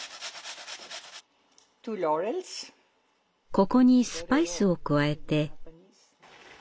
ここにスパイスを加えて。